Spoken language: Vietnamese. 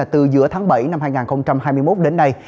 từ giữa tháng bảy năm hai nghìn hai mươi một đến nay